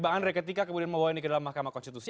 jadi ketika kemudian membawa ini ke dalam mahkamah konstitusi